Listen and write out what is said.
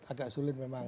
agak sulit memang